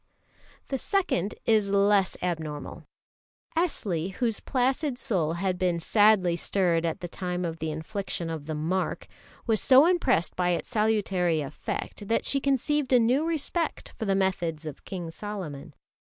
The second is less abnormal. Esli, whose placid soul had been sadly stirred at the time of the infliction of the "mark," was so impressed by its salutary effect that she conceived a new respect for the methods of King Solomon.